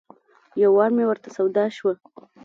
یو وار مې ورته سودا شوه.